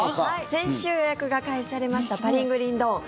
先週予約が開始されました「パリングリンドーン」。